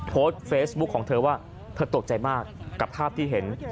โพสต์เฟซบุ๊คของเธอว่าเธอตกใจมากกับภาพที่เห็น